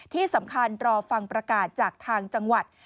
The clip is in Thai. ที่สำคัญรอฟังประกาศจากทางจังหวัด